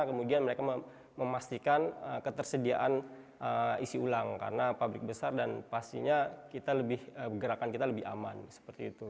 kemudian mereka memastikan ketersediaan isi ulang karena pabrik besar dan pastinya gerakan kita lebih aman seperti itu